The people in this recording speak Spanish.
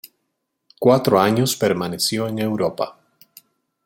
Cuatro años permaneció en Europa.